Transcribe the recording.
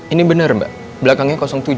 ini benar mbak belakangnya tujuh